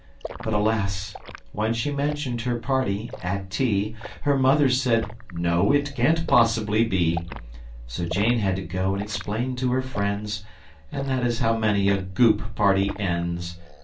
But alas! When she mentioned her party, at tea, Her mother said, "No! It can't possibly be!" So Jane had to go and explain to her friends, And that is how many a Goop party ends!